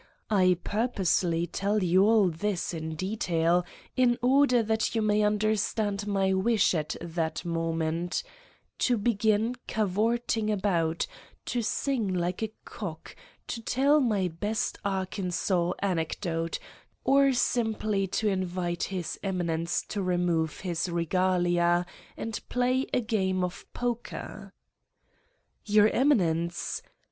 I purposely tell you all this in detail in order that you may understand my wish at that moment: to begin cavorting about, to sing like a cock, to tell my best Arkansas anecdote, or simply to invite His Eminence to remove his regalia and play a game of poker! "Your Eminence